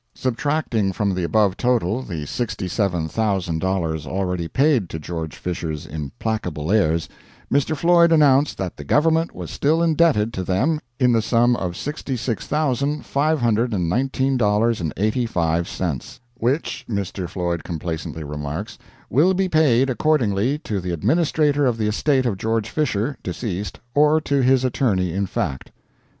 Subtracting from the above total the $67,000 already paid to George Fisher's implacable heirs, Mr. Floyd announced that the government was still indebted to them in the sum of sixty six thousand five hundred and nineteen dollars and eighty five cents, "which," Mr. Floyd complacently remarks, "will be paid, accordingly, to the administrator of the estate of George Fisher, deceased, or to his attorney in fact."